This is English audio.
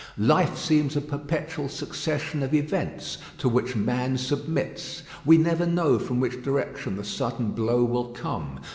Life seems a perpetual succession of events, to which man submits. We never know from which direction the sudden blow will come.